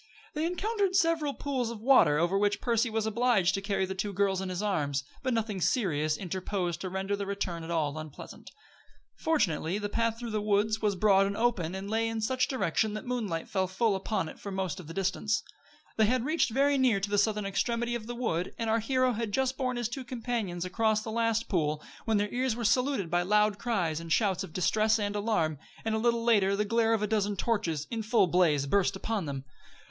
They encountered several pools of water over which Percy was obliged to carry the two girls in his arms; but nothing serious interposed to render the return at all unpleasant. Fortunately the path through the woods was broad and open, and lay in such direction that the moonlight fell full upon it for most of the distance. They had reached very near to the southern extremity of the wood, and our hero had just borne his two companions across the last pool, when their ears were saluted by loud cries and shouts of distress and alarm, and a little later the glare of a dozen torches, in full blaze, burst upon them.